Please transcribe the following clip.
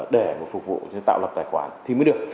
để phục vụ tạo lập tài khoản thì mới được